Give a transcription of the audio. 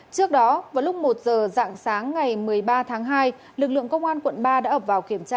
trước đó vào lúc một giờ dạng sáng ngày một mươi ba tháng hai lực lượng công an quận ba đã ập vào kiểm tra